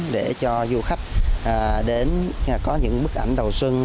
để cho du khách đến có những bức ảnh đầu xuân